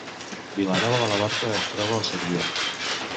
Vilanova de la Barca es troba al Segrià